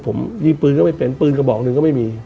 ผมยิงปืนก็ไม่เป็นปืนกระบอกหนึ่งก็ไม่มี